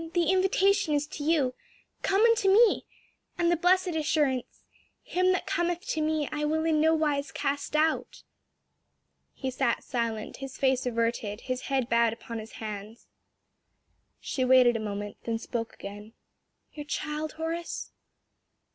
The invitation is to you, 'Come unto me;' and the blessed assurance, 'Him that cometh unto me, I will in no wise cast out.'" He sat silent, his face averted, his head bowed upon his hands. She waited a moment, then spoke again. "Your child, Horace?"